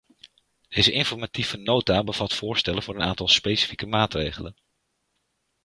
Deze informatieve nota bevat voorstellen voor een aantal specifieke maatregelen.